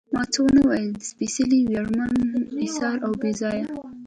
ما څه ونه ویل، د سپېڅلي، ویاړمن، اېثار او بې ځایه.